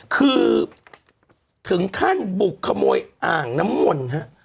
คือถึงขั้นบุกขโมยอ่างน้ำมนต์ฮะ